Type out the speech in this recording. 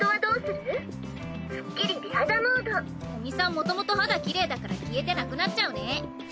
もともと肌きれいだから消えてなくなっちゃうね。